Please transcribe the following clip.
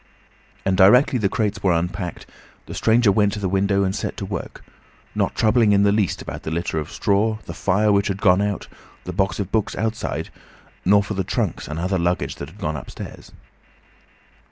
And directly the crates were unpacked, the stranger went to the window and set to work, not troubling in the least about the litter of straw, the fire which had gone out, the box of books outside, nor for the trunks and other luggage that had gone upstairs.